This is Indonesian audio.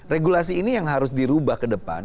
regulasi ini yang harus dirubah ke depan